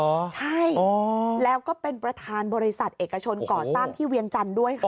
ใช่แล้วก็เป็นประธานบริษัทเอกชนก่อสร้างที่เวียงจันทร์ด้วยค่ะ